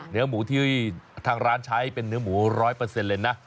เนื้อหมูที่ทางร้านใช้เป็นเนื้อหมู๑๐๐เลยนะ